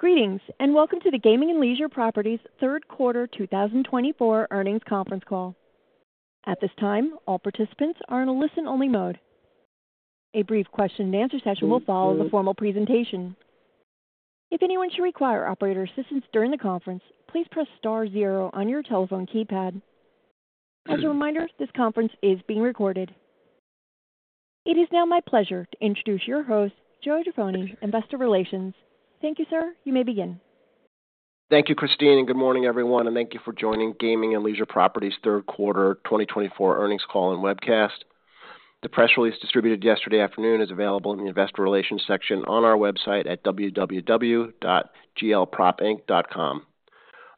Greetings, and welcome to the Gaming and Leisure Properties third quarter 2024 earnings conference call. At this time, all participants are in a listen-only mode. A brief question-and-answer session will follow the formal presentation. If anyone should require operator assistance during the conference, please press star zero on your telephone keypad. As a reminder, this conference is being recorded. It is now my pleasure to introduce your host, Joe Jaffoni, Investor Relations. Thank you, sir. You may begin. Thank you, Christine, and good morning, everyone, and thank you for joining Gaming and Leisure Properties third quarter 2024 earnings call and webcast. The press release distributed yesterday afternoon is available in the Investor Relations section on our website at www.glpropinc.com.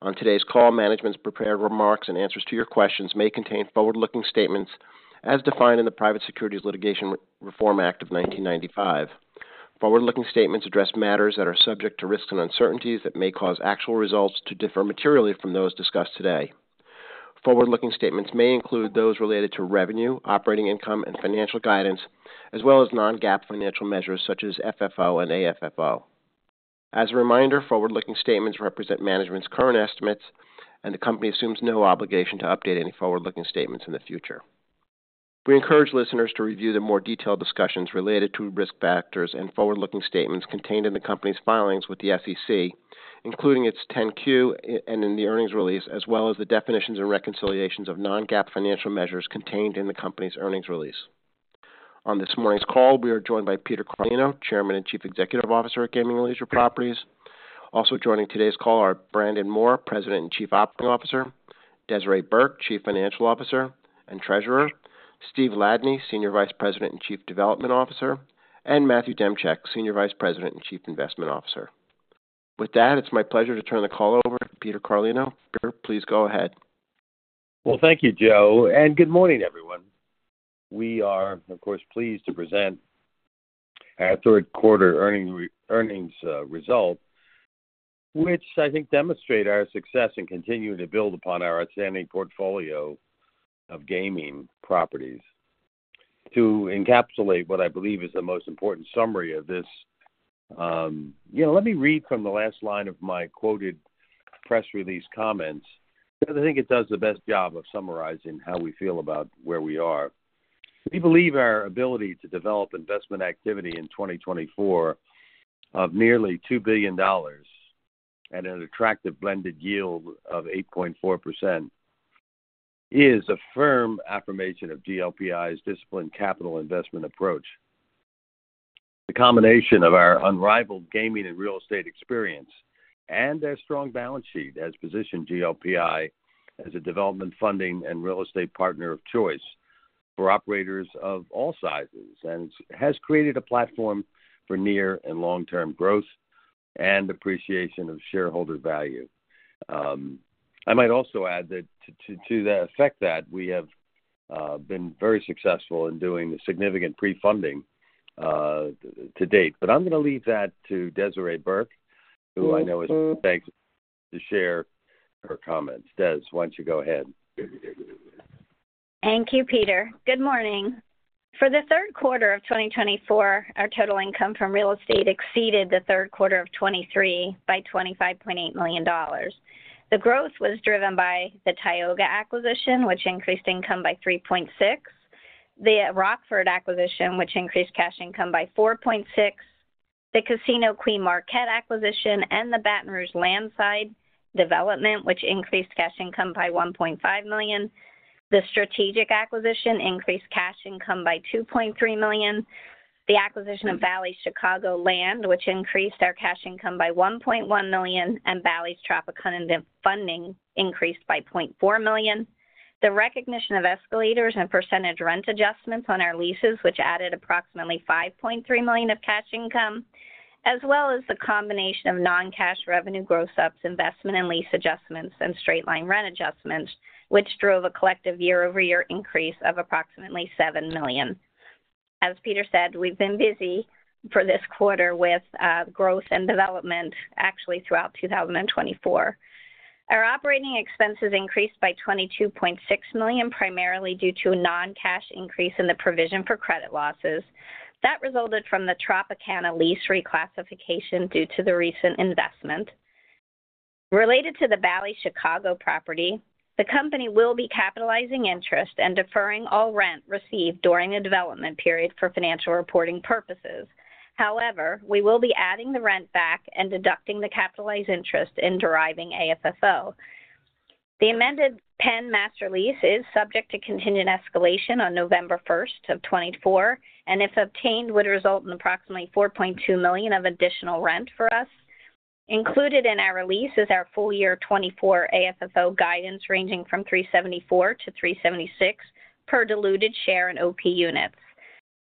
On today's call, management's prepared remarks and answers to your questions may contain forward-looking statements as defined in the Private Securities Litigation Reform Act of 1995. Forward-looking statements address matters that are subject to risks and uncertainties that may cause actual results to differ materially from those discussed today. Forward-looking statements may include those related to revenue, operating income, and financial guidance, as well as non-GAAP financial measures such as FFO and AFFO. As a reminder, forward-looking statements represent management's current estimates, and the company assumes no obligation to update any forward-looking statements in the future. We encourage listeners to review the more detailed discussions related to risk factors and forward-looking statements contained in the company's filings with the SEC, including its 10-Q and in the earnings release, as well as the definitions and reconciliations of non-GAAP financial measures contained in the company's earnings release. On this morning's call, we are joined by Peter Carlino, Chairman and Chief Executive Officer at Gaming and Leisure Properties. Also joining today's call are Brandon Moore, President and Chief Operating Officer; Desiree Burke, Chief Financial Officer and Treasurer; Steve Ladany, Senior Vice President and Chief Development Officer; and Matthew Demchyk, Senior Vice President and Chief Investment Officer. With that, it's my pleasure to turn the call over to Peter Carlino. Peter, please go ahead. Thank you, Joe, and good morning, everyone. We are, of course, pleased to present our third quarter earnings result, which I think demonstrate our success in continuing to build upon our outstanding portfolio of gaming properties. To encapsulate what I believe is the most important summary of this, you know, let me read from the last line of my quoted press release comments, because I think it does the best job of summarizing how we feel about where we are. We believe our ability to develop investment activity in 2024 of nearly $2 billion and an attractive blended yield of 8.4% is a firm affirmation of GLPI's disciplined capital investment approach. The combination of our unrivaled gaming and real estate experience and our strong balance sheet has positioned GLPI as a development funding and real estate partner of choice for operators of all sizes and has created a platform for near and long-term growth and appreciation of shareholder value. I might also add that to the effect that we have been very successful in doing significant pre-funding to date. But I'm going to leave that to Desiree Burke, who I know is anxious to share her comments. Des, why don't you go ahead? Thank you, Peter. Good morning. For the third quarter of 2024, our total income from real estate exceeded the third quarter of 2023 by $25.8 million. The growth was driven by the Tioga acquisition, which increased income by $3.6 million, the Rockford acquisition, which increased cash income by $4.6 million, the Casino Queen Marquette acquisition and the Baton Rouge landside development, which increased cash income by $1.5 million, the strategic acquisition increased cash income by $2.3 million, the acquisition of Bally's Chicago land, which increased our cash income by $1.1 million, and Bally's Tropicana funding increased by $0.4 million. The recognition of escalators and percentage rent adjustments on our leases, which added approximately $5.3 million of cash income, as well as the combination of non-cash revenue gross ups, investment and lease adjustments, and straight-line rent adjustments, which drove a collective year-over-year increase of approximately $7 million. As Peter said, we've been busy for this quarter with growth and development actually throughout 2024. Our operating expenses increased by $22.6 million, primarily due to a non-cash increase in the provision for credit losses. That resulted from the Tropicana lease reclassification due to the recent investment. Related to the Bally's Chicago property, the company will be capitalizing interest and deferring all rent received during a development period for financial reporting purposes. However, we will be adding the rent back and deducting the capitalized interest in deriving AFFO. The amended Penn master lease is subject to contingent escalation on November 1, 2024, and if obtained, would result in approximately $4.2 million of additional rent for us. Included in our release is our full year 2024 AFFO guidance, ranging from $3.74-$3.76 per diluted share in OP units.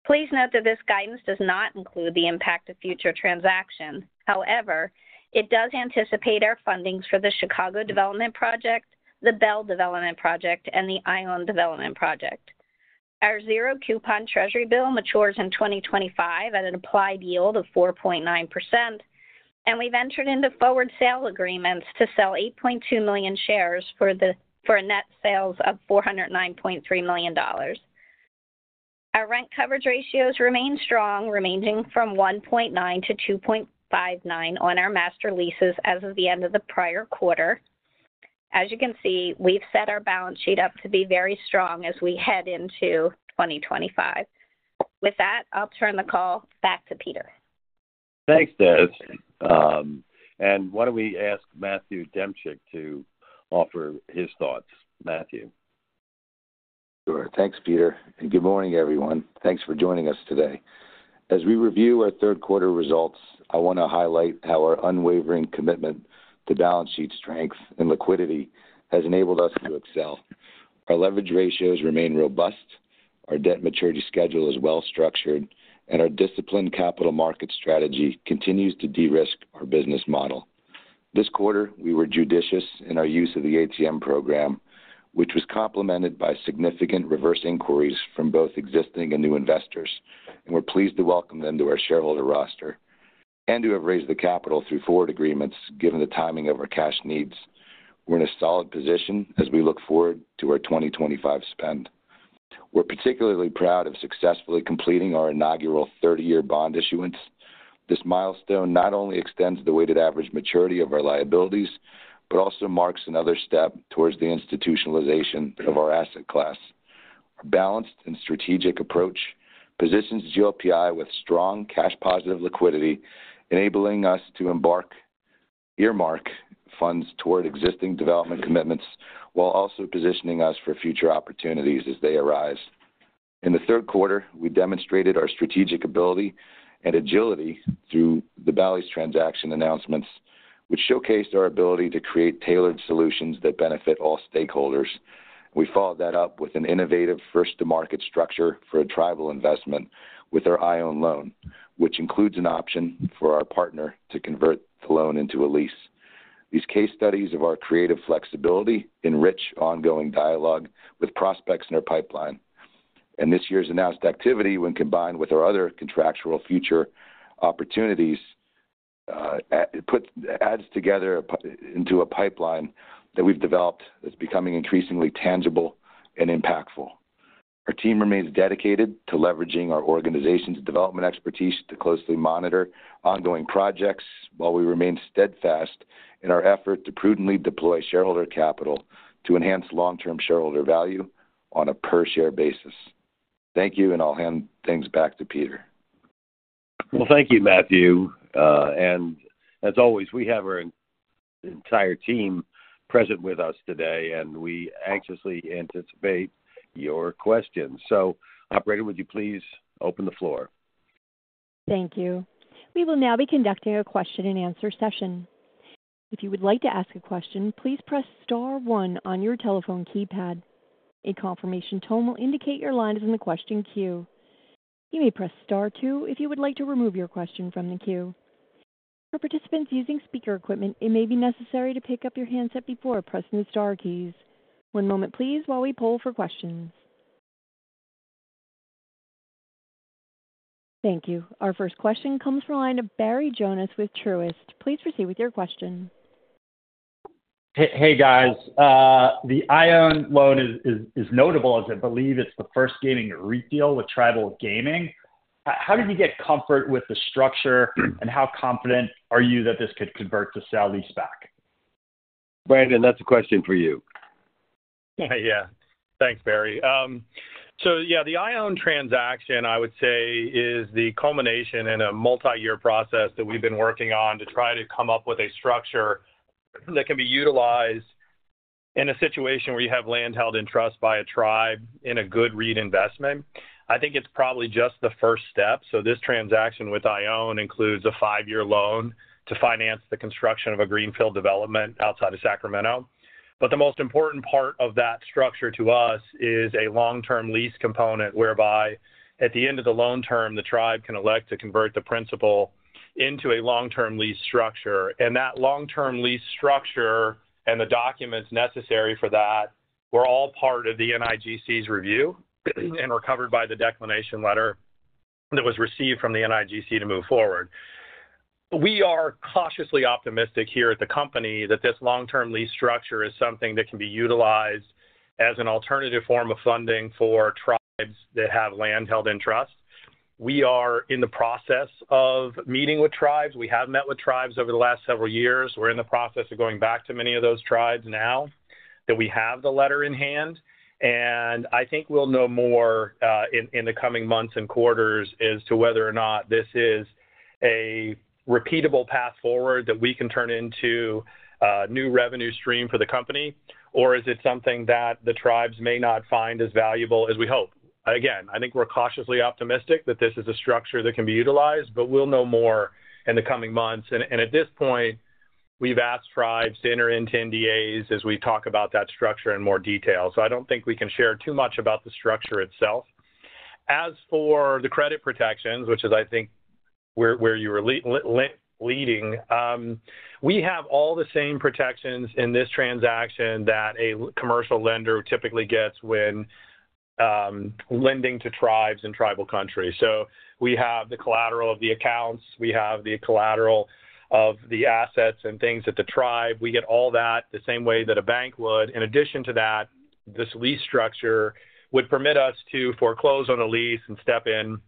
Please note that this guidance does not include the impact of future transactions. However, it does anticipate our fundings for the Chicago Development Project, the Belle Development Project, and the Ione Development Project. Our zero-coupon Treasury bill matures in 2025 at an applied yield of 4.9%, and we've entered into forward sale agreements to sell 8.2 million shares for a net sales of $409.3 million. Our rent coverage ratios remain strong, remaining from 1.9 to 2.59 on our master leases as of the end of the prior quarter. As you can see, we've set our balance sheet up to be very strong as we head into 2025. With that, I'll turn the call back to Peter. Thanks, Des. And why don't we ask Matthew Demchyk to offer his thoughts? Matthew? Sure. Thanks, Peter, and good morning, everyone. Thanks for joining us today. As we review our third quarter results, I wanna highlight how our unwavering commitment to balance sheet strength and liquidity has enabled us to excel. Our leverage ratios remain robust, our debt maturity schedule is well structured, and our disciplined capital market strategy continues to de-risk our business model. This quarter, we were judicious in our use of the ATM program, which was complemented by significant reverse inquiries from both existing and new investors, and we're pleased to welcome them to our shareholder roster and to have raised the capital through forward agreements, given the timing of our cash needs. We're in a solid position as we look forward to our twenty twenty-five spend. We're particularly proud of successfully completing our inaugural thirty-year bond issuance. This milestone not only extends the weighted average maturity of our liabilities, but also marks another step towards the institutionalization of our asset class. Our balanced and strategic approach positions GLPI with strong cash positive liquidity, enabling us to earmark funds toward existing development commitments, while also positioning us for future opportunities as they arise. In the third quarter, we demonstrated our strategic ability and agility through the Bally's transaction announcements, which showcased our ability to create tailored solutions that benefit all stakeholders. We followed that up with an innovative first-to-market structure for a tribal investment with our Ione loan, which includes an option for our partner to convert the loan into a lease. These case studies of our creative flexibility enrich ongoing dialogue with prospects in our pipeline. This year's announced activity, when combined with our other contractual future opportunities, adds to a pipeline that we've developed that's becoming increasingly tangible and impactful. Our team remains dedicated to leveraging our organization's development expertise to closely monitor ongoing projects, while we remain steadfast in our effort to prudently deploy shareholder capital to enhance long-term shareholder value on a per-share basis. Thank you, and I'll hand things back to Peter. Thank you, Matthew, and as always, we have our entire team present with us today, and we anxiously anticipate your questions. Operator, would you please open the floor? Thank you. We will now be conducting a question-and-answer session. If you would like to ask a question, please press star one on your telephone keypad. A confirmation tone will indicate your line is in the question queue. You may press star two if you would like to remove your question from the queue. For participants using speaker equipment, it may be necessary to pick up your handset before pressing the star keys. One moment, please, while we poll for questions. Thank you. Our first question comes from the line of Barry Jonas with Truist. Please proceed with your question. Hey, guys, the Ione loan is notable, as I believe it's the first gaming REIT deal with tribal gaming. How did you get comfort with the structure, and how confident are you that this could convert to sale-leaseback? Brandon, that's a question for you. Yeah. Thanks, Barry. So yeah, the Ione transaction, I would say, is the culmination in a multiyear process that we've been working on to try to come up with a structure that can be utilized in a situation where you have land held in trust by a tribe in a good REIT investment. I think it's probably just the first step. So this transaction with Ione includes a five-year loan to finance the construction of a greenfield development outside of Sacramento. But the most important part of that structure to us is a long-term lease component, whereby at the end of the loan term, the tribe can elect to convert the principal into a long-term lease structure. That long-term lease structure and the documents necessary for that were all part of the NIGC's review and were covered by the declination letter that was received from the NIGC to move forward. We are cautiously optimistic here at the company that this long-term lease structure is something that can be utilized as an alternative form of funding for tribes that have land held in trust. We are in the process of meeting with tribes. We have met with tribes over the last several years. We're in the process of going back to many of those tribes now that we have the letter in hand, and I think we'll know more in the coming months and quarters as to whether or not this is a repeatable path forward that we can turn into a new revenue stream for the company, or is it something that the tribes may not find as valuable as we hope? Again, I think we're cautiously optimistic that this is a structure that can be utilized, but we'll know more in the coming months, and at this point, we've asked tribes to enter into NDAs as we talk about that structure in more detail. So I don't think we can share too much about the structure itself. As for the credit protections, which is, I think, where you were leading, we have all the same protections in this transaction that a commercial lender typically gets when lending to tribes in tribal country. So we have the collateral of the accounts, we have the collateral of the assets and things that the tribe, we get all that the same way that a bank would. In addition to that, this lease structure would permit us to foreclose on the lease and step in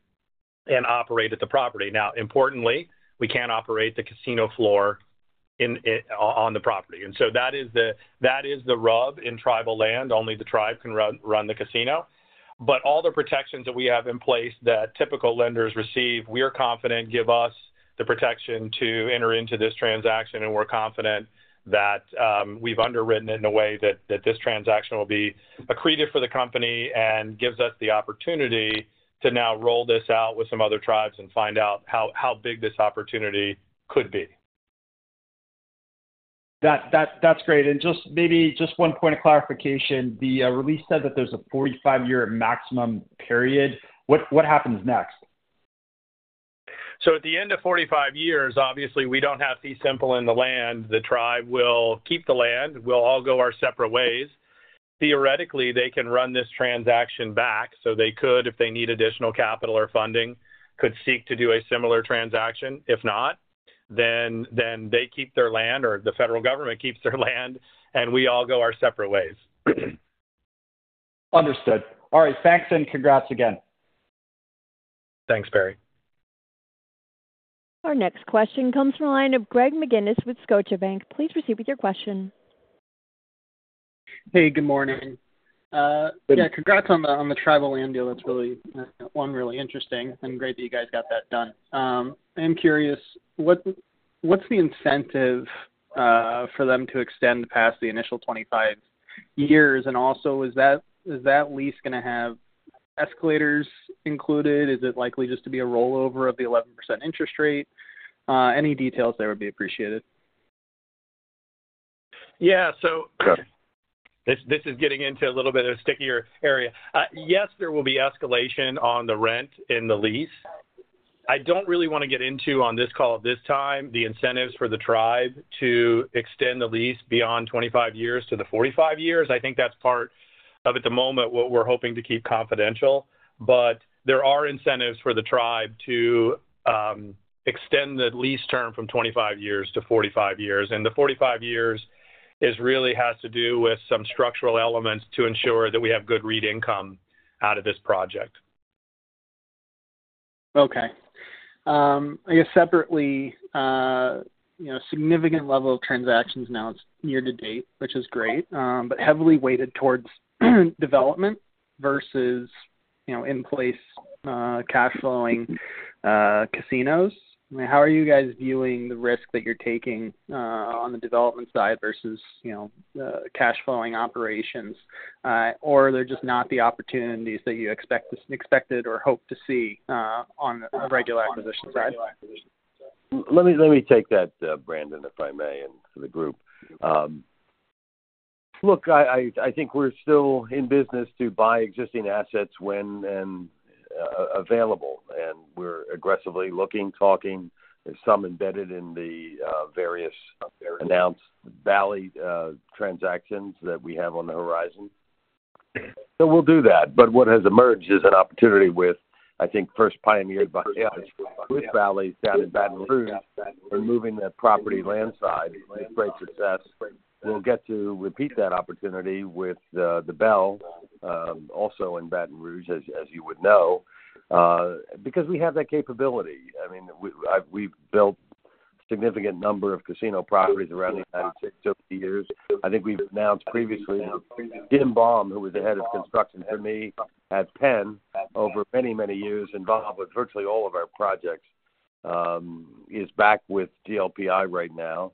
and operate at the property. Now, importantly, we can't operate the casino floor on the property. And so that is the rub in tribal land. Only the tribe can run the casino. But all the protections that we have in place that typical lenders receive, we are confident give us the protection to enter into this transaction, and we're confident that we've underwritten it in a way that this transaction will be accretive for the company and gives us the opportunity to now roll this out with some other tribes and find out how big this opportunity could be. That's great. And just maybe one point of clarification, the release said that there's a forty-five-year maximum period. What happens next? So at the end of forty-five years, obviously, we don't have fee simple in the land. The tribe will keep the land. We'll all go our separate ways. Theoretically, they can run this transaction back, so they could, if they need additional capital or funding, seek to do a similar transaction. If not, then they keep their land, or the federal government keeps their land, and we all go our separate ways. Understood. All right, thanks, and congrats again. Thanks, Barry. Our next question comes from the line of Greg McGinniss with Scotiabank. Please proceed with your question. Hey, good morning. Yeah, congrats on the tribal land deal. That's really one really interesting and great that you guys got that done. I'm curious, what's the incentive for them to extend past the initial twenty-five years? And also, is that lease going to have escalators included? Is it likely just to be a rollover of the 11% interest rate? Any details there would be appreciated. Yeah. So this, this is getting into a little bit of a stickier area. Yes, there will be escalation on the rent in the lease. I don't really want to get into, on this call at this time, the incentives for the tribe to extend the lease beyond twenty-five years to the forty-five years. I think that's part of, at the moment, what we're hoping to keep confidential. But there are incentives for the tribe to extend the lease term from twenty-five years to forty-five years. And the forty-five years is really has to do with some structural elements to ensure that we have good rent income out of this project. Okay. I guess separately, you know, significant level of transactions now it's year to date, which is great, but heavily weighted towards development versus, you know, in-place, cash flowing, casinos. I mean, how are you guys viewing the risk that you're taking on the development side versus, you know, the cash flowing operations? Or they're just not the opportunities that you expect to-- expected or hope to see on a regular acquisition side. Let me take that, Brandon, if I may, and to the group. Look, I think we're still in business to buy existing assets when and available, and we're aggressively looking, talking. There's some embedded in the various announced Bally's transactions that we have on the horizon. So we'll do that, but what has emerged is an opportunity with, I think, first pioneered by Bally's down in Baton Rouge, removing that property landside is great success. We'll get to repeat that opportunity with the Belle also in Baton Rouge, as you would know, because we have that capability. I mean, we've built a significant number of casino properties around the United States over the years. I think we've announced previously, Jim Baum, who was the head of construction for me at Penn over many, many years, involved with virtually all of our projects, is back with GLPI right now.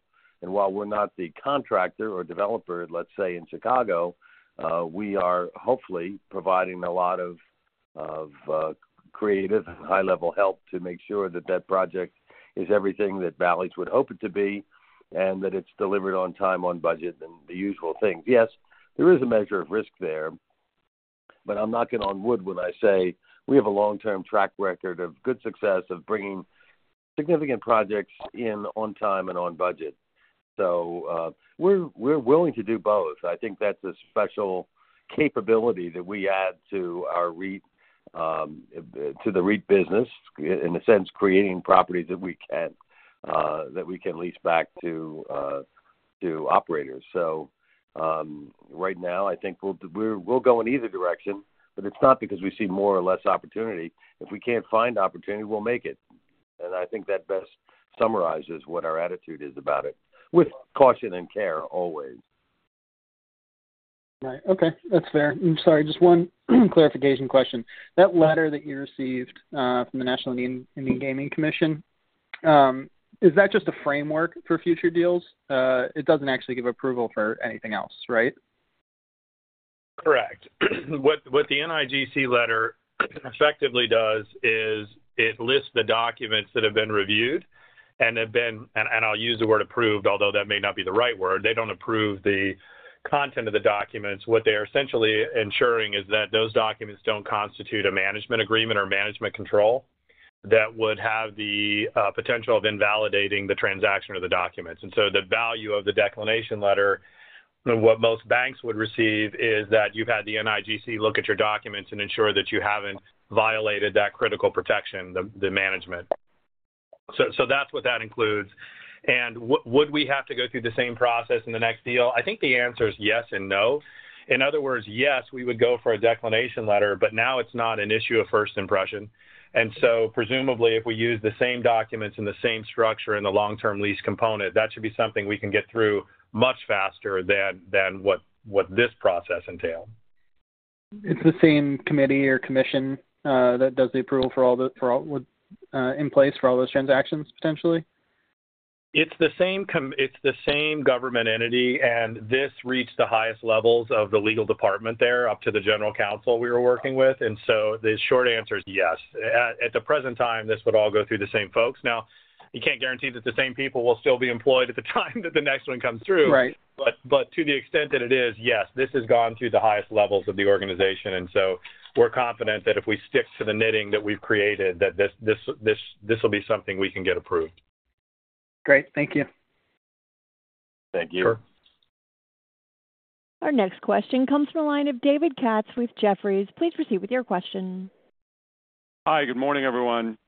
While we're not the contractor or developer, let's say, in Chicago, we are hopefully providing a lot of creative, high-level help to make sure that that project is everything that Bally's would hope it to be and that it's delivered on time, on budget, and the usual things. Yes, there is a measure of risk there, but I'm knocking on wood when I say we have a long-term track record of good success of bringing significant projects in on time and on budget. We're willing to do both. I think that's a special capability that we add to our REIT, to the REIT business, in a sense, creating properties that we can lease back to operators, so right now, I think we'll go in either direction, but it's not because we see more or less opportunity. If we can't find opportunity, we'll make it, and I think that best summarizes what our attitude is about it, with caution and care, always. Right. Okay, that's fair. I'm sorry, just one clarification question. That letter that you received from the National Indian Gaming Commission, is that just a framework for future deals? It doesn't actually give approval for anything else, right? Correct. What the NIGC letter effectively does is it lists the documents that have been reviewed and, and I'll use the word approved, although that may not be the right word. They don't approve the content of the documents. What they are essentially ensuring is that those documents don't constitute a management agreement or management control that would have the potential of invalidating the transaction or the documents. And so the value of the declination letter, what most banks would receive, is that you've had the NIGC look at your documents and ensure that you haven't violated that critical protection, the management. So that's what that includes. And would we have to go through the same process in the next deal? I think the answer is yes and no. In other words, yes, we would go for a declination letter, but now it's not an issue of first impression, and so presumably, if we use the same documents and the same structure in the long-term lease component, that should be something we can get through much faster than what this process entailed. It's the same committee or commission that does the approval for all the in place for all those transactions, potentially? It's the same government entity, and this reached the highest levels of the legal department there, up to the general counsel we were working with. And so the short answer is yes. At the present time, this would all go through the same folks. Now, you can't guarantee that the same people will still be employed at the time that the next one comes through. Right. But to the extent that it is, yes, this has gone through the highest levels of the organization. And so we're confident that if we stick to the knitting that we've created, that this will be something we can get approved. Great. Thank you. Thank you. Sure. Our next question comes from the line of David Katz with Jefferies. Please proceed with your question. Hi, good morning, everyone.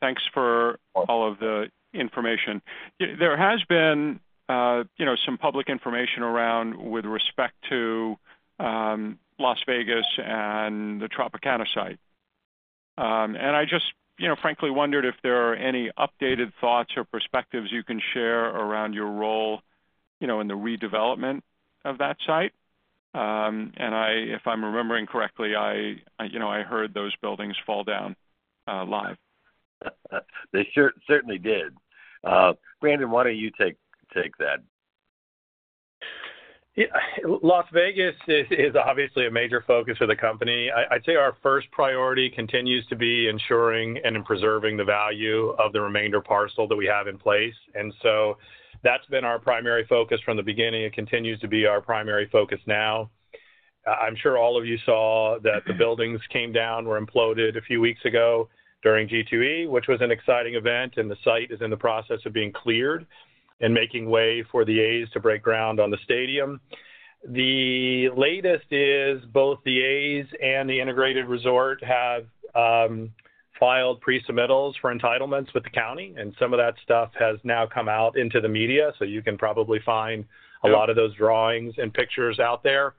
Thanks for all of the information. There has been, you know, some public information around with respect to, Las Vegas and the Tropicana site. And I just, you know, frankly wondered if there are any updated thoughts or perspectives you can share around your role, you know, in the redevelopment of that site. And if I'm remembering correctly, I, you know, I heard those buildings fall down, live. They certainly did. Brandon, why don't you take that? Yeah, Las Vegas is obviously a major focus of the company. I'd say our first priority continues to be ensuring and preserving the value of the remainder parcel that we have in place, and so that's been our primary focus from the beginning and continues to be our primary focus now. I'm sure all of you saw that the buildings came down, were imploded a few weeks ago during G2E, which was an exciting event, and the site is in the process of being cleared and making way for the A's to break ground on the stadium. The latest is both the A's and the integrated resort have filed pre-submittals for entitlements with the county, and some of that stuff has now come out into the media, so you can probably find a lot of those drawings and pictures out there.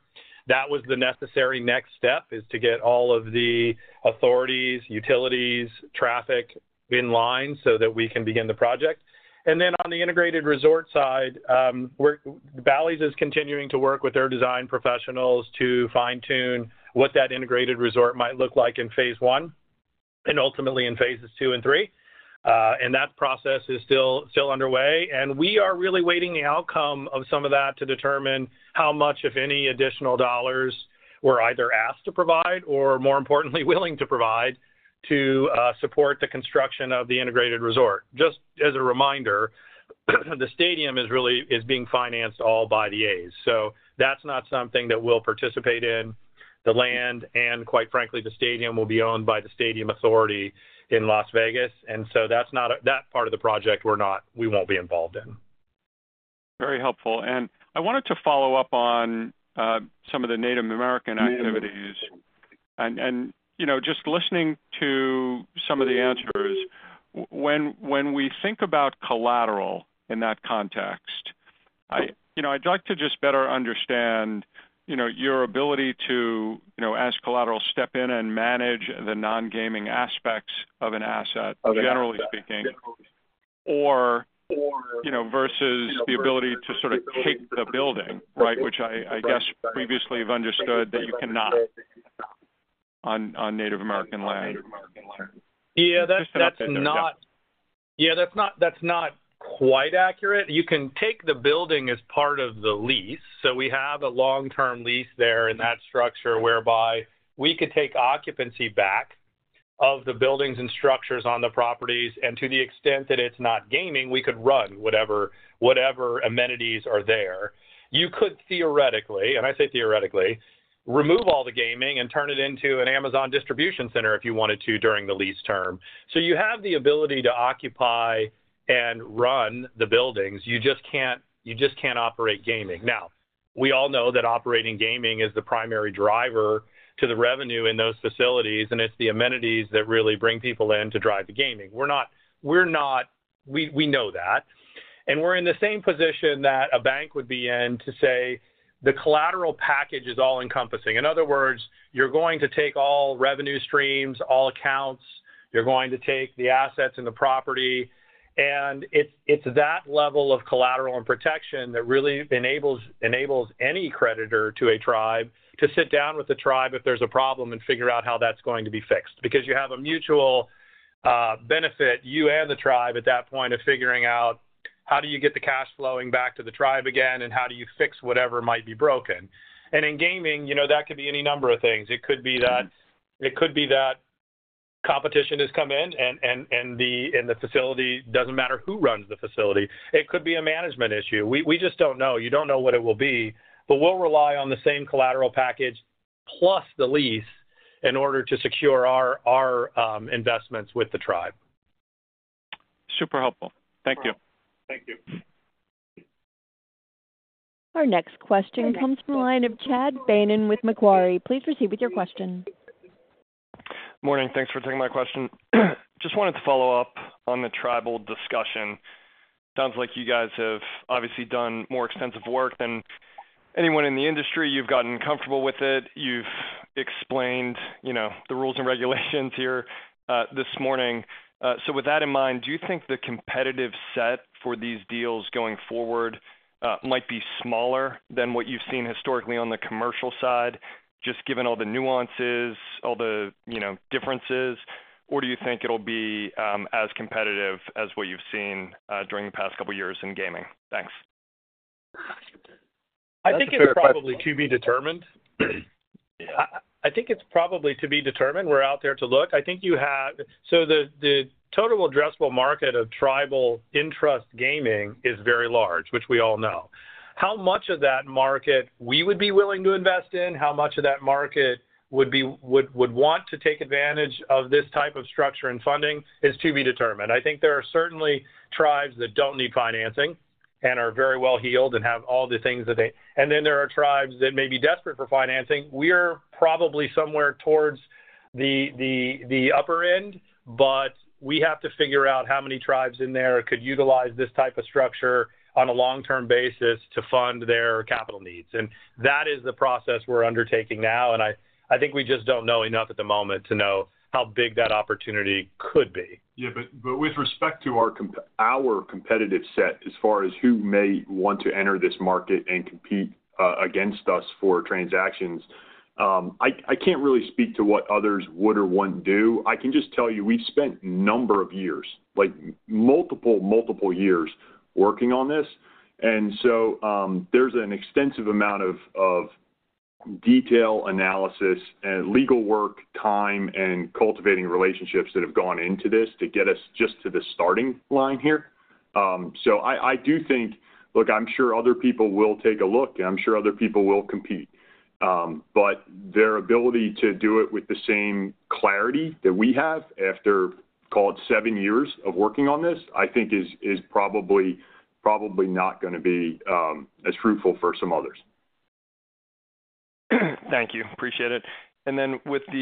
That was the necessary next step: to get all of the authorities, utilities, traffic in line so that we can begin the project. And then on the integrated resort side, Bally's is continuing to work with their design professionals to fine-tune what that integrated resort might look like in phase one and ultimately in phases two and three. And that process is still underway. And we are really waiting the outcome of some of that to determine how much, if any, additional dollars we're either asked to provide or, more importantly, willing to provide, to support the construction of the integrated resort. Just as a reminder, the stadium is really being financed all by the A's. So that's not something that we'll participate in. The land, and quite frankly, the stadium, will be owned by the Stadium Authority in Las Vegas, and so that's not that part of the project, we won't be involved in. Very helpful, and I wanted to follow up on some of the Native American activities. You know, just listening to some of the answers, when we think about collateral in that context, you know, I'd like to just better understand, you know, your ability to, you know, as collateral, step in and manage the nongaming aspects of an asset, generally speaking, or, you know, versus the ability to sort of take the building, right? Which I guess previously have understood that you cannot on Native American land. Yeah, that's not- Just to update there. Yeah, that's not, that's not quite accurate. You can take the building as part of the lease. So we have a long-term lease there in that structure, whereby we could take occupancy back of the buildings and structures on the properties, and to the extent that it's not gaming, we could run whatever, whatever amenities are there. You could, theoretically, and I say theoretically, remove all the gaming and turn it into an Amazon distribution center if you wanted to, during the lease term. So you have the ability to occupy and run the buildings. You just can't, you just can't operate gaming. Now, we all know that operating gaming is the primary driver to the revenue in those facilities, and it's the amenities that really bring people in to drive the gaming. We're not, we're not. We, we know that. We're in the same position that a bank would be in to say, the collateral package is all-encompassing. In other words, you're going to take all revenue streams, all accounts, you're going to take the assets and the property, and it's that level of collateral and protection that really enables any creditor to a tribe to sit down with the tribe if there's a problem and figure out how that's going to be fixed. Because you have a mutual benefit, you and the tribe, at that point of figuring out how do you get the cash flowing back to the tribe again, and how do you fix whatever might be broken. In gaming, you know, that could be any number of things. It could be that competition has come in and the facility doesn't matter who runs the facility. It could be a management issue. We just don't know. You don't know what it will be, but we'll rely on the same collateral package plus the lease in order to secure our investments with the tribe. Super helpful. Thank you. Thank you. Our next question comes from the line of Chad Beynon with Macquarie. Please proceed with your question. Morning. Thanks for taking my question. Just wanted to follow up on the tribal discussion. Sounds like you guys have obviously done more extensive work than anyone in the industry. You've gotten comfortable with it. You've explained, you know, the rules and regulations here, this morning. So with that in mind, do you think the competitive set for these deals going forward, might be smaller than what you've seen historically on the commercial side, just given all the nuances, all the, you know, differences? Or do you think it'll be, as competitive as what you've seen, during the past couple of years in gaming? Thanks. I think it's probably to be determined. We're out there to look. So the total addressable market of tribal interest gaming is very large, which we all know. How much of that market we would be willing to invest in, how much of that market would want to take advantage of this type of structure and funding is to be determined. I think there are certainly tribes that don't need financing and are very well-heeled and have all the things that they... And then there are tribes that may be desperate for financing. We are probably somewhere towards the upper end, but we have to figure out how many tribes in there could utilize this type of structure on a long-term basis to fund their capital needs. That is the process we're undertaking now, and I think we just don't know enough at the moment to know how big that opportunity could be. Yeah, but with respect to our competitive set, as far as who may want to enter this market and compete against us for transactions, I can't really speak to what others would or wouldn't do. I can just tell you, we've spent number of years, like multiple, multiple years, working on this. So, there's an extensive amount of detail, analysis, and legal work, time, and cultivating relationships that have gone into this to get us just to the starting line here. So I do think. Look, I'm sure other people will take a look, and I'm sure other people will compete. But their ability to do it with the same clarity that we have after, call it, seven years of working on this, I think is probably not gonna be as fruitful for some others. Thank you. Appreciate it. And then with the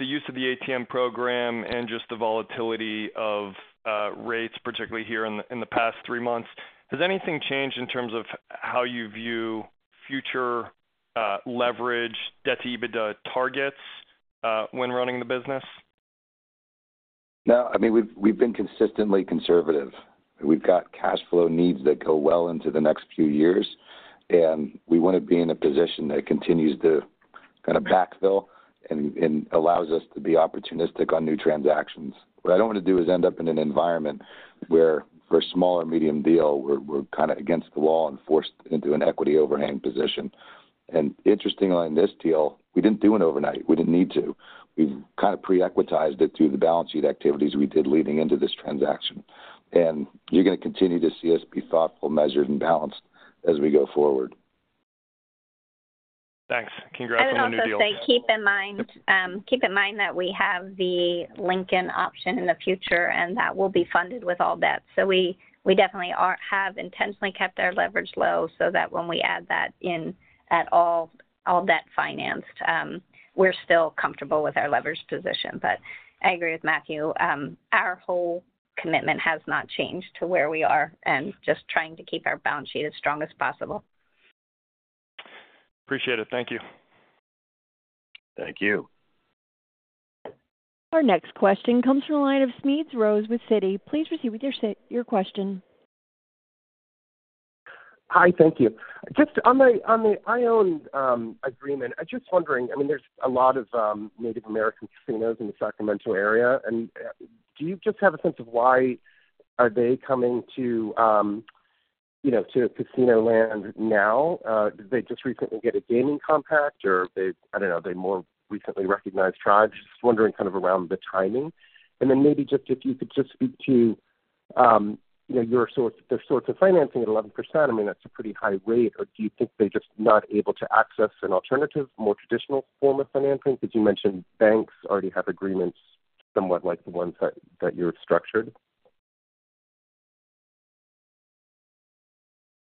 use of the ATM program and just the volatility of rates, particularly here in the past three months, has anything changed in terms of how you view future leverage debt to EBITDA targets when running the business? No, I mean, we've been consistently conservative. We've got cash flow needs that go well into the next few years, and we want to be in a position that continues to kind of backfill and allows us to be opportunistic on new transactions. What I don't want to do is end up in an environment where for a small or medium deal, we're kind of against the wall and forced into an equity overhang position, and interestingly, on this deal, we didn't do it overnight. We didn't need to. We've kind of pre-equitized it through the balance sheet activities we did leading into this transaction, and you're gonna continue to see us be thoughtful, measured, and balanced as we go forward. Thanks. Congrats on the new deal. I would also say, keep in mind that we have the Lincoln option in the future, and that will be funded with all debt. So we definitely have intentionally kept our leverage low so that when we add that in, all debt financed, we're still comfortable with our leverage position. But I agree with Matthew. Our whole commitment has not changed to where we are and just trying to keep our balance sheet as strong as possible. Appreciate it. Thank you. Thank you. Our next question comes from the line of Smedes Rose with Citi. Please proceed with your question. Hi, thank you. Just on the Ione agreement, I'm just wondering, I mean, there's a lot of Native American casinos in the Sacramento area, and do you just have a sense of why are they coming to, you know, to Casino Land now? Did they just recently get a gaming compact, or they, I don't know, they more recently recognized tribes? Just wondering kind of around the timing. And then maybe just if you could just speak to, you know, your source, the source of financing at 11%, I mean, that's a pretty high rate. Or do you think they're just not able to access an alternative, more traditional form of financing? Because you mentioned banks already have agreements somewhat like the ones that you've structured.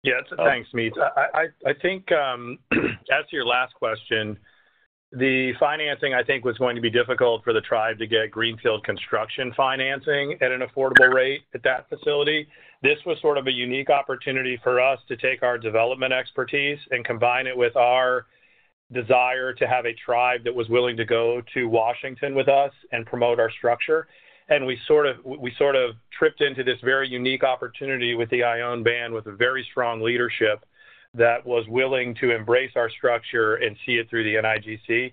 Yes, thanks, Smedes. I think, as to your last question, the financing, I think, was going to be difficult for the tribe to get greenfield construction financing at an affordable rate at that facility. This was sort of a unique opportunity for us to take our development expertise and combine it with our desire to have a tribe that was willing to go to Washington with us and promote our structure. And we sort of tripped into this very unique opportunity with the Ione Band, with a very strong leadership that was willing to embrace our structure and see it through the NIGC.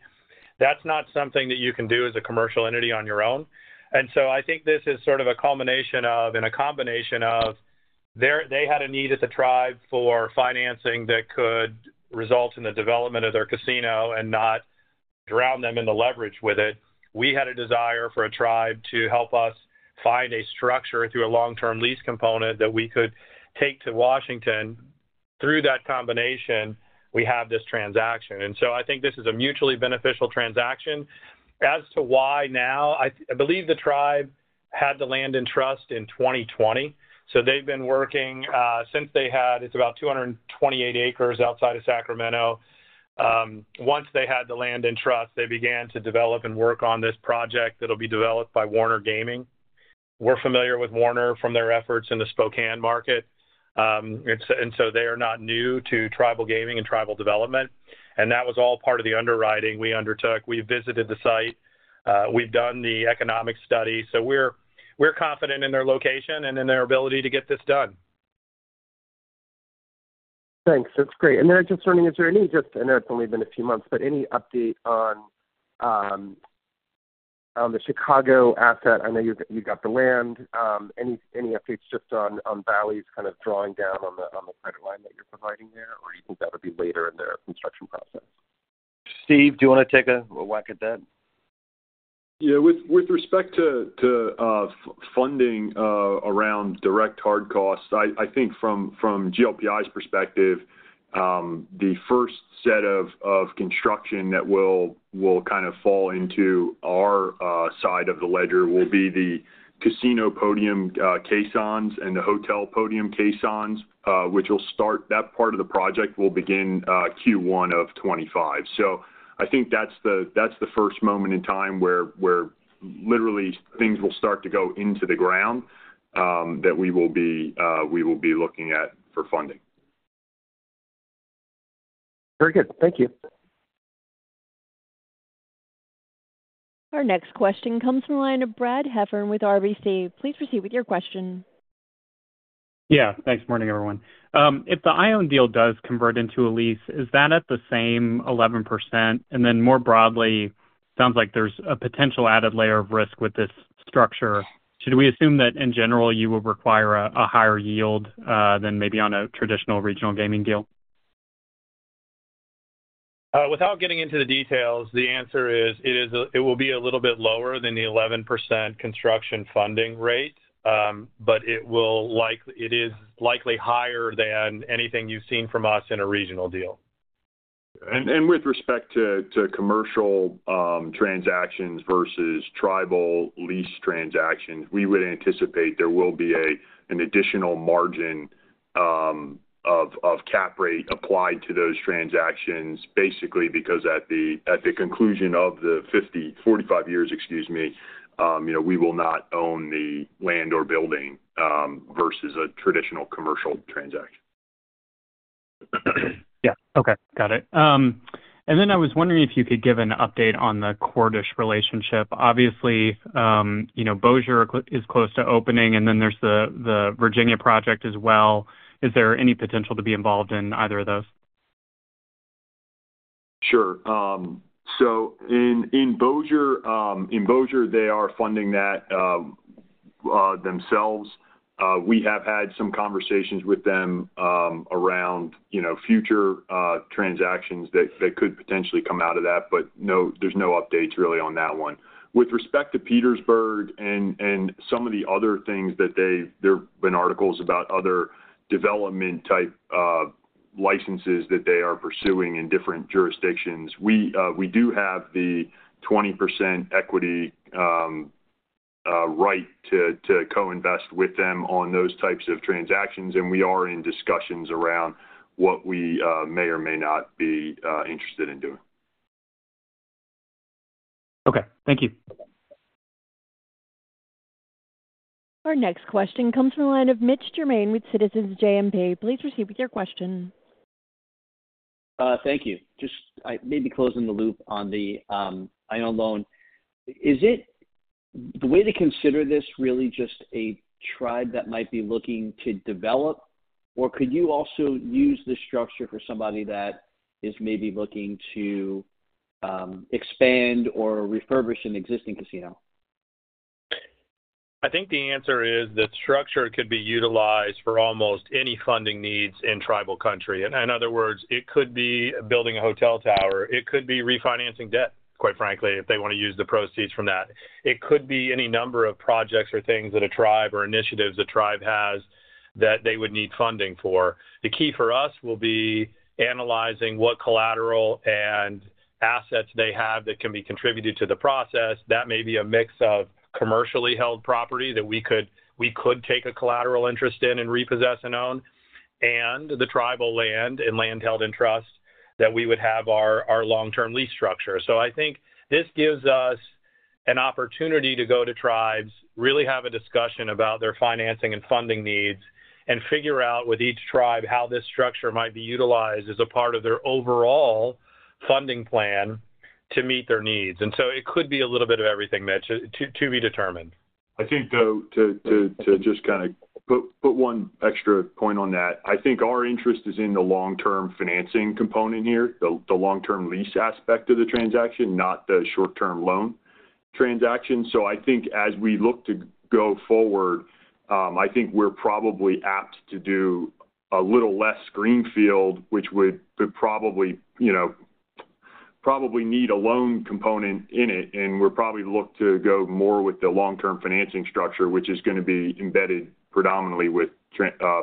That's not something that you can do as a commercial entity on your own. And so I think this is sort of a culmination of and a combination of their. They had a need as a tribe for financing that could result in the development of their casino and not drown them in the leverage with it. We had a desire for a tribe to help us find a structure through a long-term lease component that we could take to Washington. Through that combination, we have this transaction. And so I think this is a mutually beneficial transaction. As to why now, I believe the tribe had the land in trust in 2020. So they've been working since they had it. It's about 228 acres outside of Sacramento. Once they had the land in trust, they began to develop and work on this project that'll be developed by Warner Gaming. We're familiar with Warner from their efforts in the Spokane market, and so they are not new to tribal gaming and tribal development, and that was all part of the underwriting we undertook. We visited the site, we've done the economic study, so we're confident in their location and in their ability to get this done. Thanks. That's great. And then just wondering, is there any, I know it's only been a few months, but any update on the Chicago asset? I know you've got the land. Any updates just on Bally's kind of drawing down on the credit line that you're providing there, or you think that would be later in their construction process? Steve, do you want to take a whack at that? Yeah, with respect to funding around direct hard costs, I think from GLPI's perspective, the first set of construction that will kind of fall into our side of the ledger will be the casino podium caissons and the hotel podium caissons, which will start. That part of the project will begin Q1 of 2025. So I think that's the first moment in time where literally things will start to go into the ground that we will be looking at for funding. Very good. Thank you. Our next question comes from the line of Brad Heffern with RBC. Please proceed with your question. Yeah. Thanks. Morning, everyone. If the Ione deal does convert into a lease, is that at the same 11%? And then more broadly, sounds like there's a potential added layer of risk with this structure. Should we assume that, in general, you will require a higher yield than maybe on a traditional regional gaming deal? Without getting into the details, the answer is, it will be a little bit lower than the 11% construction funding rate, but it will like it is likely higher than anything you've seen from us in a regional deal. With respect to commercial transactions versus tribal lease transactions, we would anticipate there will be an additional margin of cap rate applied to those transactions, basically, because at the conclusion of the forty-five years, excuse me, you know, we will not own the land or building versus a traditional commercial transaction. Yeah. Okay. Got it. And then I was wondering if you could give an update on the Cordish relationship. Obviously, you know, Bossier is close to opening, and then there's the Virginia project as well. Is there any potential to be involved in either of those? Sure. So in Bossier City, in Bossier City, they are funding that themselves. We have had some conversations with them around, you know, future transactions that could potentially come out of that, but no, there's no updates really on that one. With respect to Petersburg and some of the other things that they... There have been articles about other development-type licenses that they are pursuing in different jurisdictions. We do have the 20% equity right to co-invest with them on those types of transactions, and we are in discussions around what we may or may not be interested in doing. Okay. Thank you. Our next question comes from the line of Mitch Germain with Citizens JMP. Please proceed with your question. Thank you. Just, I maybe closing the loop on the Ione loan. Is it the way to consider this really just a tribe that might be looking to develop? Or could you also use this structure for somebody that is maybe looking to expand or refurbish an existing casino? I think the answer is, the structure could be utilized for almost any funding needs in tribal country. In other words, it could be building a hotel tower, it could be refinancing debt, quite frankly, if they want to use the proceeds from that. It could be any number of projects or things that a tribe, or initiatives a tribe has, that they would need funding for. The key for us will be analyzing what collateral and assets they have that can be contributed to the process. That may be a mix of commercially held property that we could take a collateral interest in and repossess and own, and the tribal land and land held in trust, that we would have our long-term lease structure. So I think this gives us an opportunity to go to tribes, really have a discussion about their financing and funding needs, and figure out with each tribe how this structure might be utilized as a part of their overall funding plan to meet their needs. And so it could be a little bit of everything, Mitch, to be determined. I think, though, to just kind of put one extra point on that, I think our interest is in the long-term financing component here, the long-term lease aspect of the transaction, not the short-term loan transaction. So I think as we look to go forward, I think we're probably apt to do a little less greenfield, which could probably, you know, probably need a loan component in it, and we'll probably look to go more with the long-term financing structure, which is going to be embedded predominantly with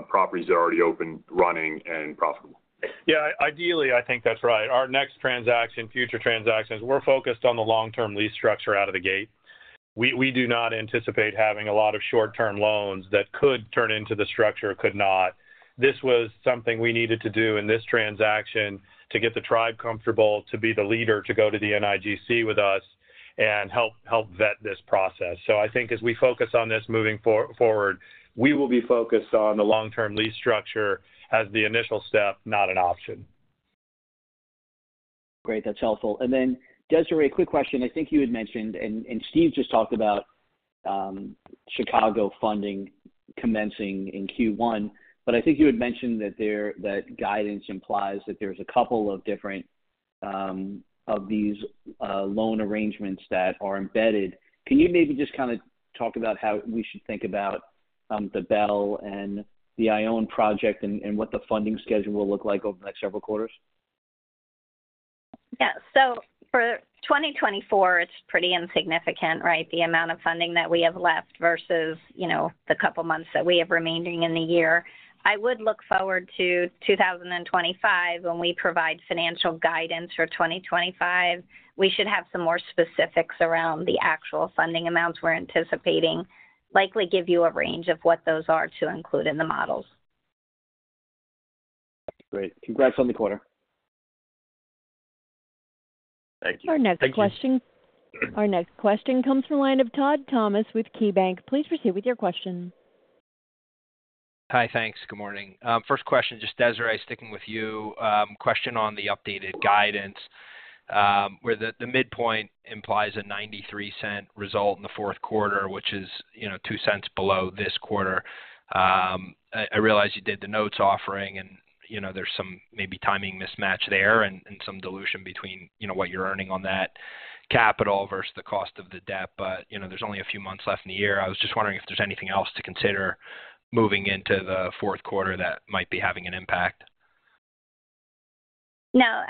properties that are already open, running, and profitable. Yeah, ideally, I think that's right. Our next transaction, future transactions, we're focused on the long-term lease structure out of the gate. We do not anticipate having a lot of short-term loans that could turn into the structure, could not. This was something we needed to do in this transaction to get the tribe comfortable, to be the leader, to go to the NIGC with us and help vet this process. I think as we focus on this moving forward, we will be focused on the long-term lease structure as the initial step, not an option. Great, that's helpful. And then, Desiree, a quick question. I think you had mentioned, and Steve just talked about, Chicago funding commencing in Q1. But I think you had mentioned that that guidance implies that there's a couple of different of these loan arrangements that are embedded. Can you maybe just kind of talk about how we should think about the Belle and the Ione project, and what the funding schedule will look like over the next several quarters? Yeah, so for 2024, it's pretty insignificant, right? The amount of funding that we have left versus, you know, the couple of months that we have remaining in the year. I would look forward to 2025. When we provide financial guidance for 2025, we should have some more specifics around the actual funding amounts we're anticipating. Likely give you a range of what those are to include in the models. Great. Congrats on the quarter. Thank you. Thank you. Our next question comes from the line of Todd Thomas with KeyBank. Please proceed with your question. Hi, thanks. Good morning. First question, just Desiree, sticking with you. Question on the updated guidance, where the midpoint implies a $0.93 result in the fourth quarter, which is, you know, $0.02 below this quarter. I realize you did the notes offering and, you know, there's some maybe timing mismatch there and some dilution between, you know, what you're earning on that capital versus the cost of the debt. But, you know, there's only a few months left in the year. I was just wondering if there's anything else to consider moving into the fourth quarter that might be having an impact. No.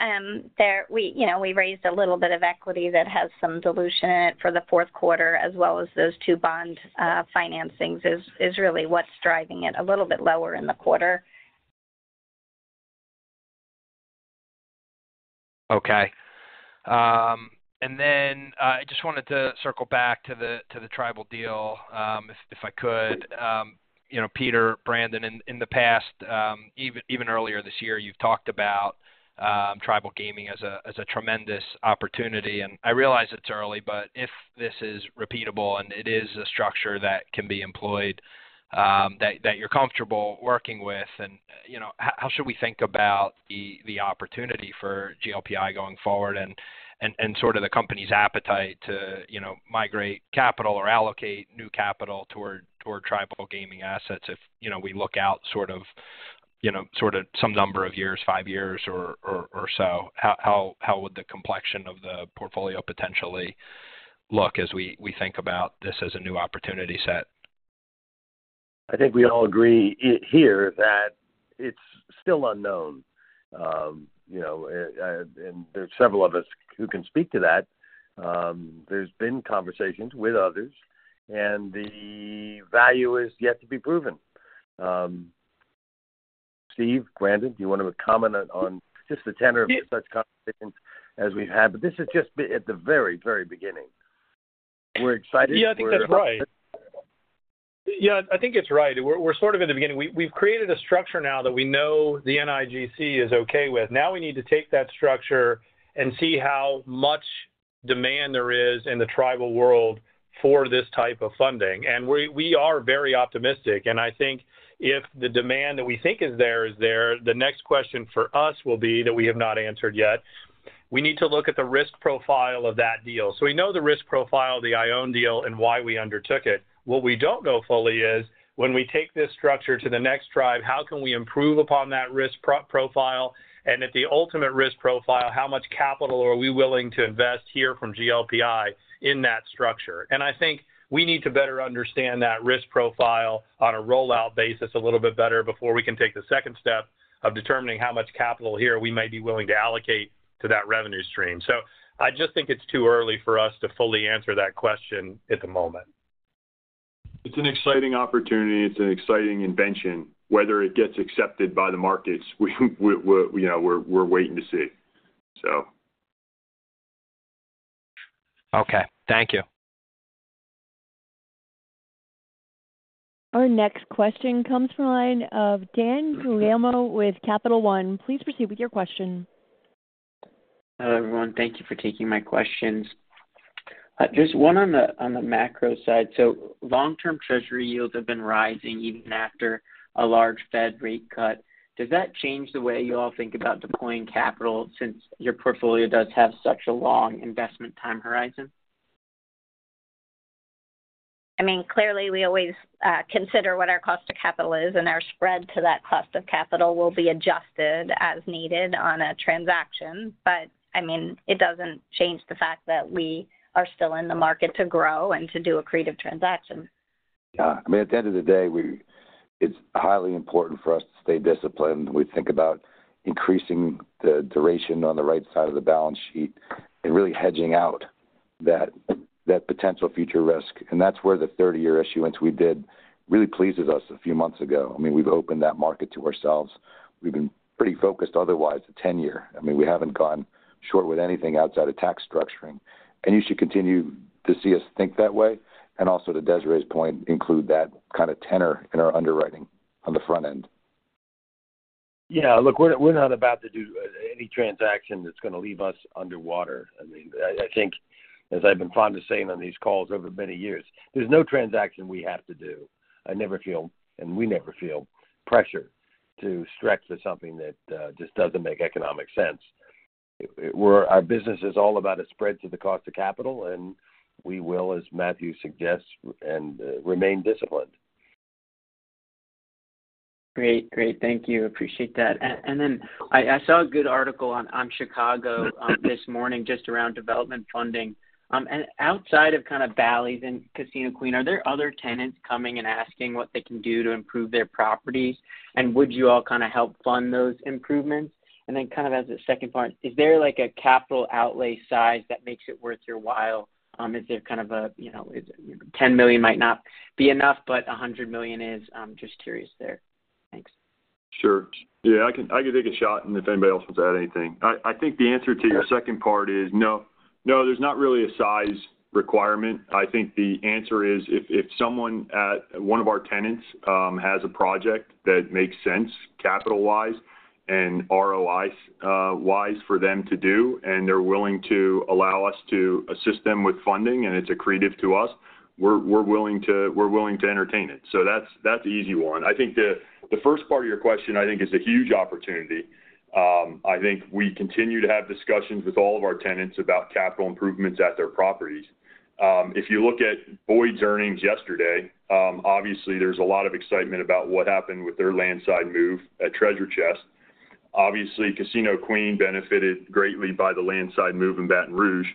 We, you know, we raised a little bit of equity that has some dilution in it for the fourth quarter, as well as those two bond financings, is really what's driving it a little bit lower in the quarter. Okay. And then, I just wanted to circle back to the tribal deal, if I could. You know, Peter, Brandon, in the past, even earlier this year, you've talked about tribal gaming as a tremendous opportunity, and I realize it's early, but if this is repeatable and it is a structure that can be employed, that you're comfortable working with, and, you know, how should we think about the opportunity for GLPI going forward and sort of the company's appetite to, you know, migrate capital or allocate new capital toward tribal gaming assets if, you know, we look out, sort of, some number of years, five years or so? How would the complexion of the portfolio potentially look as we think about this as a new opportunity set? I think we all agree here that it's still unknown. You know, and there's several of us who can speak to that. There's been conversations with others, and the value is yet to be proven. Steve, Brandon, do you want to comment on just the tenor of such conversations as we've had? But this is just at the very, very beginning. We're excited- Yeah, I think that's right. Yeah, I think it's right. We're, we're sort of in the beginning. We, we've created a structure now that we know the NIGC is okay with. Now we need to take that structure and see how much demand there is in the tribal world for this type of funding. And we, we are very optimistic, and I think if the demand that we think is there, is there, the next question for us will be, that we have not answered yet: We need to look at the risk profile of that deal, so we know the risk profile of the Ione deal and why we undertook it. What we don't know fully is when we take this structure to the next tribe, how can we improve upon that risk profile? And at the ultimate risk profile, how much capital are we willing to invest here from GLPI in that structure? And I think we need to better understand that risk profile on a rollout basis a little bit better before we can take the second step of determining how much capital here we might be willing to allocate to that revenue stream. So I just think it's too early for us to fully answer that question at the moment. It's an exciting opportunity. It's an exciting invention. Whether it gets accepted by the markets, you know, we're waiting to see, so. Okay, thank you. Our next question comes from the line of Daniel Guglielmo with Capital One. Please proceed with your question. Hello, everyone. Thank you for taking my questions. Just one on the macro side. So long-term Treasury yields have been rising even after a large Fed rate cut. Does that change the way you all think about deploying capital since your portfolio does have such a long investment time horizon? I mean, clearly, we always consider what our cost of capital is, and our spread to that cost of capital will be adjusted as needed on a transaction. But, I mean, it doesn't change the fact that we are still in the market to grow and to do accretive transactions. Yeah. I mean, at the end of the day, we, it's highly important for us to stay disciplined. We think about increasing the duration on the right side of the balance sheet and really hedging out that potential future risk. And that's where the thirty-year issuance we did really pleases us a few months ago. I mean, we've opened that market to ourselves. We've been pretty focused otherwise, the ten-year. I mean, we haven't gone short with anything outside of tax structuring. And you should continue to see us think that way, and also, to Desiree's point, include that kind of tenor in our underwriting on the front end? Yeah, look, we're, we're not about to do any transaction that's going to leave us underwater. I mean, I think, as I've been fond of saying on these calls over many years, there's no transaction we have to do. I never feel, and we never feel pressure to stretch to something that just doesn't make economic sense. We're. Our business is all about a spread to the cost of capital, and we will, as Matthew suggests, and remain disciplined. Great. Great. Thank you. Appreciate that. And then, I saw a good article on Chicago this morning, just around development funding. And outside of kind of Bally's and Casino Queen, are there other tenants coming and asking what they can do to improve their properties? And would you all kind of help fund those improvements? And then kind of as a second part, is there like a capital outlay size that makes it worth your while? Is there kind of a, you know, $10 million might not be enough, but $100 million is? I'm just curious there. Thanks. Sure. Yeah, I can, I can take a shot, and if anybody else wants to add anything. I, I think the answer to your second part is no. No, there's not really a size requirement. I think the answer is, if, if someone at one of our tenants has a project that makes sense capital-wise and ROI wise for them to do, and they're willing to allow us to assist them with funding, and it's accretive to us, we're, we're willing to, we're willing to entertain it. So that's, that's the easy one. I think the, the first part of your question, I think, is a huge opportunity. I think we continue to have discussions with all of our tenants about capital improvements at their properties. If you look at Boyd's earnings yesterday, obviously, there's a lot of excitement about what happened with their landside move at Treasure Chest. Obviously, Casino Queen benefited greatly by the landside move in Baton Rouge,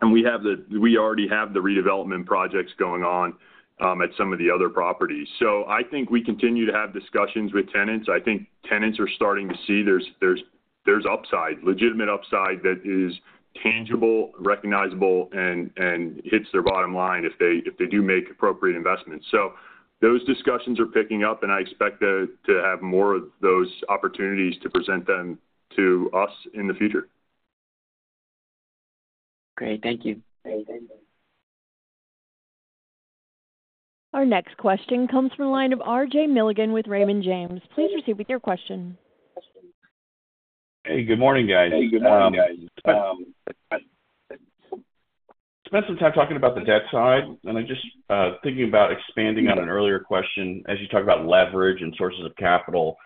and we already have the redevelopment projects going on at some of the other properties. So I think we continue to have discussions with tenants. I think tenants are starting to see there's upside, legitimate upside that is tangible, recognizable, and hits their bottom line if they do make appropriate investments. So those discussions are picking up, and I expect to have more of those opportunities to present them to us in the future. Great. Thank you. Our next question comes from the line of RJ Milligan with Raymond James. Please proceed with your question. Hey, good morning, guys. Spent some time talking about the debt side, and I'm just thinking about expanding on an earlier question as you talk about leverage and sources of capital.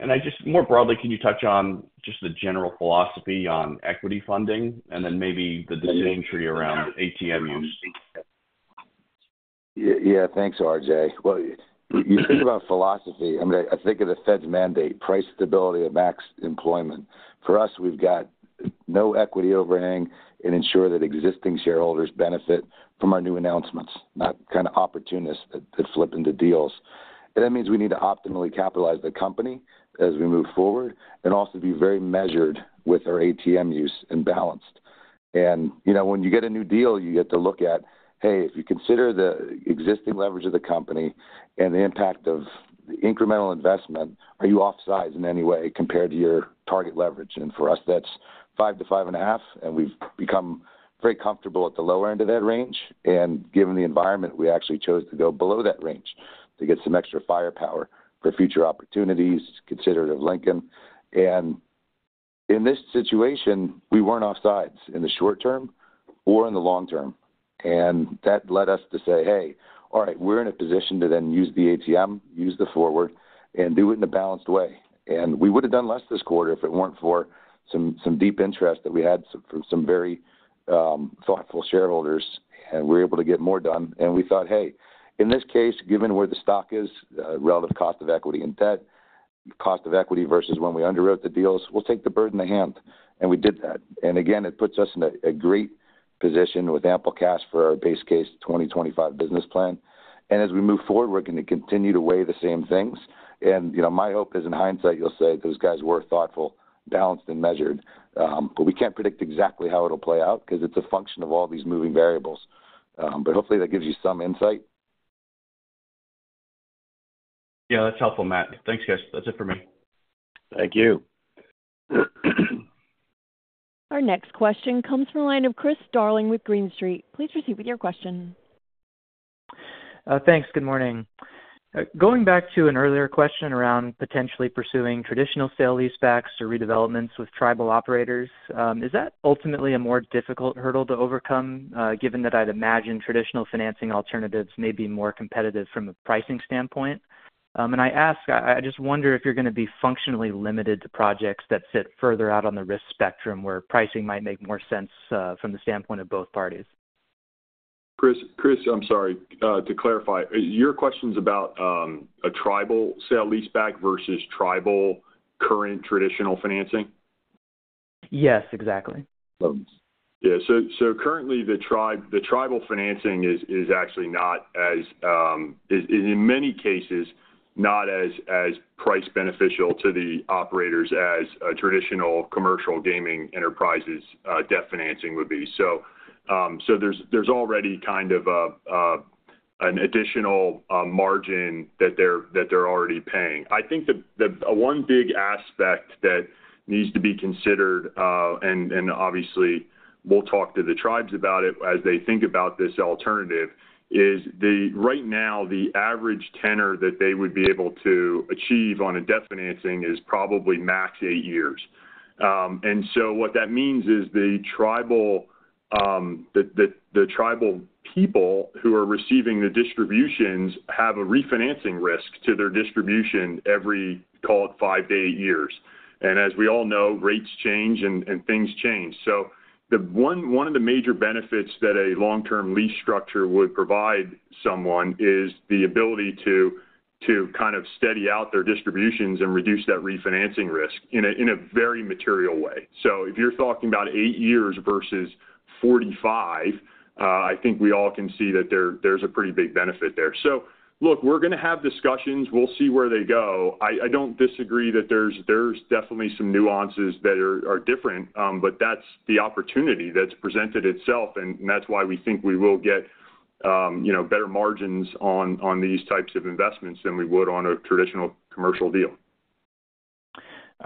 And I just, more broadly, can you touch on just the general philosophy on equity funding and then maybe the decision tree around ATM use? Yeah, thanks, R.J. Well, you think about philosophy. I mean, I think of the Fed's mandate, price stability and max employment. For us, we've got no equity overhang and ensure that existing shareholders benefit from our new announcements, not kind of opportunists that flip into deals. That means we need to optimally capitalize the company as we move forward and also be very measured with our ATM use and balanced. And, you know, when you get a new deal, you get to look at, hey, if you consider the existing leverage of the company and the impact of the incremental investment, are you offside in any way compared to your target leverage? And for us, that's five to five and a half, and we've become very comfortable at the lower end of that range. Given the environment, we actually chose to go below that range to get some extra firepower for future opportunities, considerate of Lincoln. In this situation, we weren't offsides in the short term or in the long term, and that led us to say, "Hey, all right, we're in a position to then use the ATM, use the forward, and do it in a balanced way." We would have done less this quarter if it weren't for some deep interest that we had from some very thoughtful shareholders, and we're able to get more done. We thought, hey, in this case, given where the stock is, relative cost of equity and debt, cost of equity versus when we underwrote the deals, we'll take the bird in the hand, and we did that. And again, it puts us in a great position with ample cash for our base case 2025 business plan. And as we move forward, we're going to continue to weigh the same things. And, you know, my hope is, in hindsight, you'll say, those guys were thoughtful, balanced, and measured, but we can't predict exactly how it'll play out because it's a function of all these moving variables. But hopefully, that gives you some insight. Yeah, that's helpful, Matt. Thanks, guys. That's it for me. Thank you. Our next question comes from the line of Chris Darling with Green Street. Please proceed with your question. Thanks. Good morning. Going back to an earlier question around potentially pursuing traditional sale-leasebacks or redevelopments with tribal operators, is that ultimately a more difficult hurdle to overcome, given that I'd imagine traditional financing alternatives may be more competitive from a pricing standpoint? And I ask, I just wonder if you're going to be functionally limited to projects that sit further out on the risk spectrum, where pricing might make more sense, from the standpoint of both parties. Chris, Chris, I'm sorry. To clarify, your question is about a tribal sale-leaseback versus tribal current traditional financing? Yes, exactly. Yeah. So currently, the tribe—the tribal financing is actually not as price beneficial to the operators as a traditional commercial gaming enterprise's debt financing would be. So there's already kind of an additional margin that they're already paying. I think the one big aspect that needs to be considered and obviously we'll talk to the tribes about it as they think about this alternative is right now the average tenor that they would be able to achieve on a debt financing is probably max eight years. And so what that means is the tribal people who are receiving the distributions have a refinancing risk to their distribution every call it five to eight years. And as we all know, rates change and things change. So one of the major benefits that a long-term lease structure would provide someone is the ability to kind of steady out their distributions and reduce that refinancing risk in a very material way. So if you're talking about eight years versus forty-five, I think we all can see that there's a pretty big benefit there. So look, we're gonna have discussions. We'll see where they go. I don't disagree that there's definitely some nuances that are different, but that's the opportunity that's presented itself, and that's why we think we will get, you know, better margins on these types of investments than we would on a traditional commercial deal.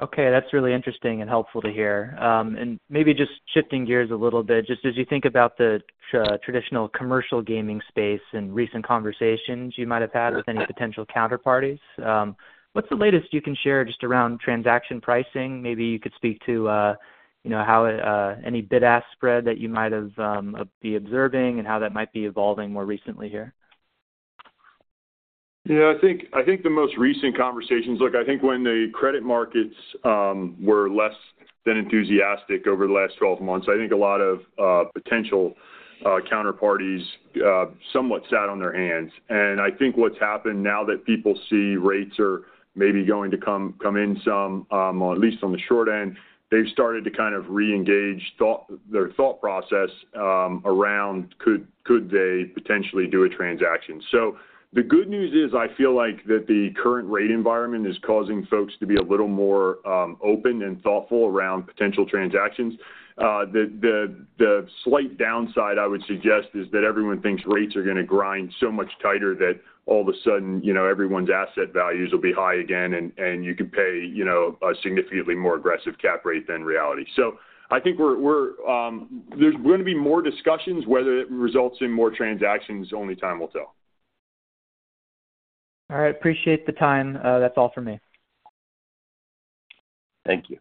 Okay, that's really interesting and helpful to hear, and maybe just shifting gears a little bit, just as you think about the traditional commercial gaming space and recent conversations you might have had with any potential counterparties, what's the latest you can share just around transaction pricing? Maybe you could speak to, you know, how any bid-ask spread that you might have be observing and how that might be evolving more recently here. Yeah, I think the most recent conversations. Look, I think when the credit markets were less than enthusiastic over the last twelve months, I think a lot of potential counterparties somewhat sat on their hands. And I think what's happened now that people see rates are maybe going to come in some or at least on the short end, they've started to kind of reengage thought, their thought process around could they potentially do a transaction? So the good news is, I feel like that the current rate environment is causing folks to be a little more open and thoughtful around potential transactions. The slight downside, I would suggest, is that everyone thinks rates are gonna grind so much tighter that all of a sudden, you know, everyone's asset values will be high again, and you can pay, you know, a significantly more aggressive cap rate than reality. So I think we're... there's going to be more discussions. Whether it results in more transactions, only time will tell. All right. Appreciate the time. That's all for me. Thank you.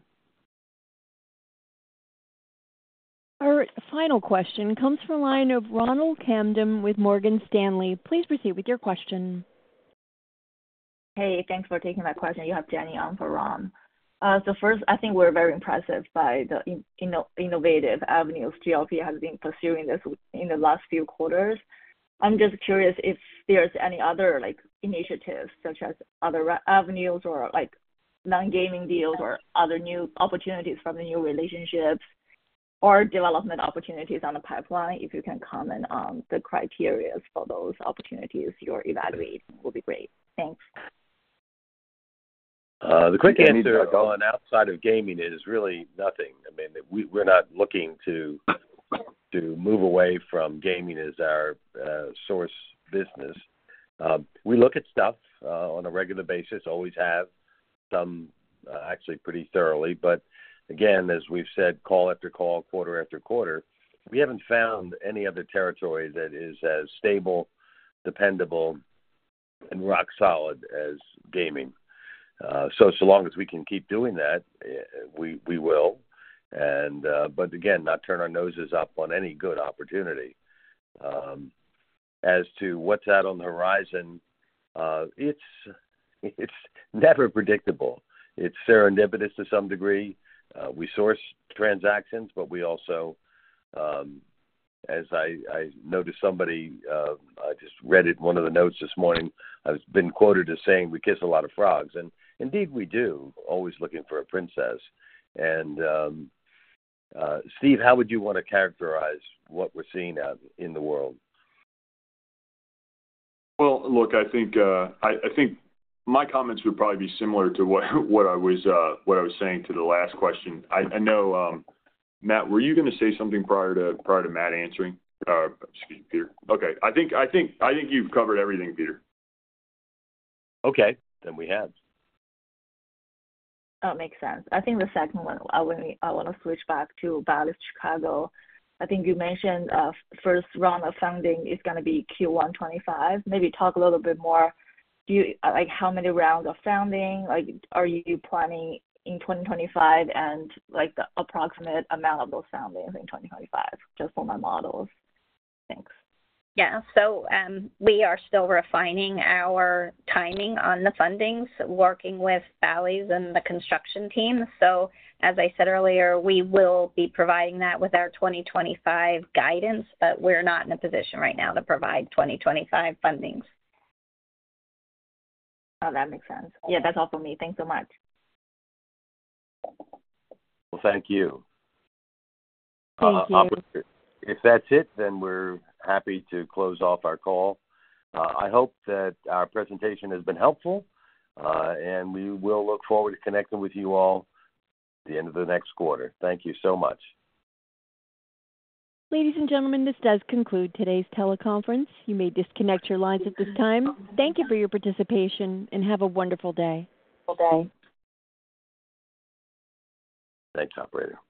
Our final question comes from the line of Ronald Kamdem with Morgan Stanley. Please proceed with your question. Hey, thanks for taking my question. You have Jenny on for Ron. So first, I think we're very impressed by the innovative avenues GLPI has been pursuing in the last few quarters. I'm just curious if there's any other, like, initiatives, such as other avenues or, like, non-gaming deals or other new opportunities from the new relationships or development opportunities on the pipeline. If you can comment on the criteria for those opportunities you're evaluating, will be great. Thanks. The quick answer on outside of gaming is really nothing. I mean, we're not looking to move away from gaming as our source business. We look at stuff on a regular basis, always have actually pretty thoroughly, but again, as we've said call after call, quarter-after-quarter, we haven't found any other territory that is as stable, dependable, and rock solid as gaming. So long as we can keep doing that, we will, but again not turn our noses up on any good opportunity. As to what's out on the horizon, it's never predictable. It's serendipitous to some degree. We source transactions, but we also, as I noticed somebody, I just read it, one of the notes this morning, I've been quoted as saying, "We kiss a lot of frogs," and indeed, we do. Always looking for a princess. And, Steve, how would you want to characterize what we're seeing out in the world? Well, look, I think my comments would probably be similar to what I was saying to the last question. I know, Matt, were you gonna say something prior to Matt answering? Excuse me, Peter. Okay, I think you've covered everything, Peter. Okay, then we have. Oh, makes sense. I think the second one, I want to switch back to Bally's Chicago. I think you mentioned first round of funding is gonna be Q1 2025. Maybe talk a little bit more. Like, how many rounds of funding, like, are you planning in twenty twenty-five, and, like, the approximate amount of those fundings in twenty twenty-five, just for my models. Thanks. Yeah. So, we are still refining our timing on the fundings, working with Bally's and the construction team, so as I said earlier, we will be providing that with our 2025 guidance, but we're not in a position right now to provide 2025 fundings. Oh, that makes sense. Yeah, that's all for me. Thanks so much. Well, thank you. Thank you. Operator, if that's it, then we're happy to close off our call. I hope that our presentation has been helpful, and we will look forward to connecting with you all at the end of the next quarter. Thank you so much. Ladies and gentlemen, this does conclude today's teleconference. You may disconnect your lines at this time. Thank you for your participation, and have a wonderful day. Thanks, operator.